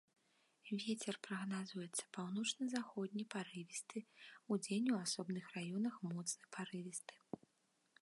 Вецер прагназуецца паўночна-заходні парывісты, удзень у асобных раёнах моцны парывісты.